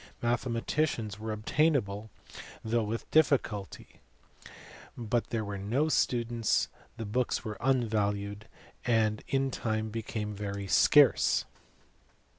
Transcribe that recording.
135 mathematicians were obtainable, though with difficulty, but there were no students, the books were unvalued, and in time became very scarce.